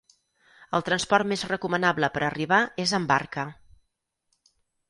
El transport més recomanable per arribar és amb barca.